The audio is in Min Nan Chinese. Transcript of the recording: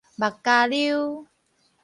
目加溜